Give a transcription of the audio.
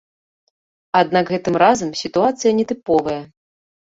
Аднак гэтым разам сітуацыя нетыповая.